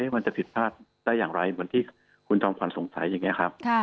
มันจะผิดพลาดได้อย่างไรเหมือนที่คุณจอมขวัญสงสัยอย่างนี้ครับ